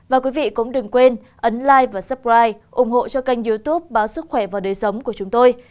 và quý vị cũng đừng quên ấn lai và suppride ủng hộ cho kênh youtube báo sức khỏe và đời sống của chúng tôi